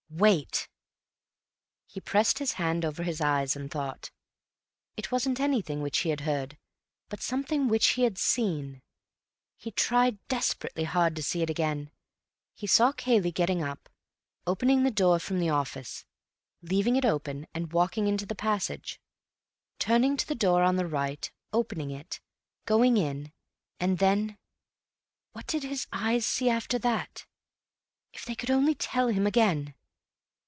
"Wait!" He pressed his hand over his eyes and thought. It wasn't anything which he had heard, but something which he had seen. He tried desperately hard to see it again.... He saw Cayley getting up, opening the door from the office, leaving it open and walking into the passage, turning to the door on the right, opening it, going in, and then—What did his eyes see after that? If they would only tell him again!